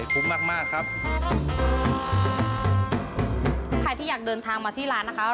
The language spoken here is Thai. สิ่งความรักของที่นะครับ